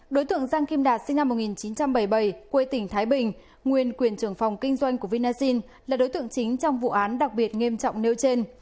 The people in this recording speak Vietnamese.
đối tượng giang kim đạt sinh năm một nghìn chín trăm bảy mươi bảy quê tỉnh thái bình nguyên quyền trưởng phòng kinh doanh của vinasin là đối tượng chính trong vụ án đặc biệt nghiêm trọng nêu trên